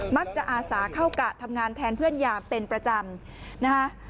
มักจะอาสาเข้ากะทำงานแทนเพื่อนยาเป็นประจำ